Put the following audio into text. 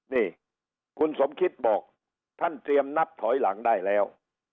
นี่คุณสมคิดบอกท่านเตรียมนับถอยหลังได้แล้ว